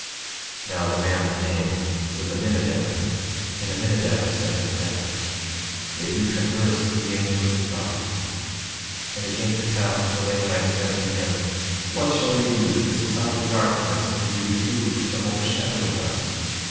5:39 Now the man's name was Aminadab. And Aminadab said unto them: They do converse with the angels of God. 5:40 And it came to pass that the Lamanites said unto him: What shall we do, that this cloud of darkness may be removed from overshadowing us?